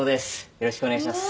よろしくお願いします。